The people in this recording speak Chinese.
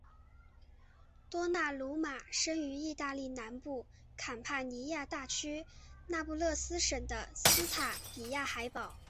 多纳鲁马生于义大利南部坎帕尼亚大区那不勒斯省的斯塔比亚海堡。